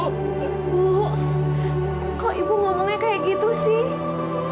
ibu kok ibu ngomongnya kayak gitu sih